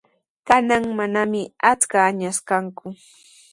Kanan mananami achka añas kanku.